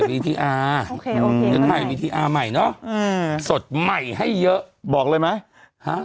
วีทีอาร์โอเคโอเคไม่วีทีอาร์ใหม่เนาะอืมสดใหม่ให้เยอะบอกเลยไหมฮะ